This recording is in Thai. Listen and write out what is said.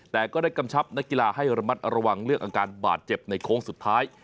แต่ก็ได้กำชับนักกีฬาให้ระมัดระวังเรื่องอาการบาดเจ็บในโค้งสุดท้าย